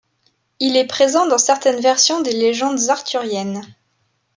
Il est présent dans certaines versions des légendes arthuriennes.